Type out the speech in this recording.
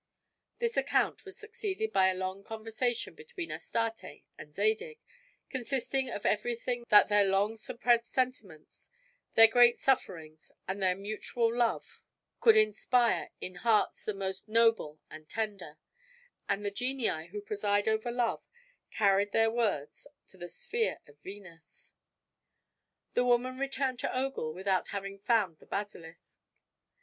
This account was succeeded by a long conversation between Astarte and Zadig, consisting of everything that their long suppressed sentiments, their great sufferings, and their mutual love could inspire in hearts the most noble and tender; and the genii who preside over love carried their words to the sphere of Venus. The woman returned to Ogul without having found the basilisk.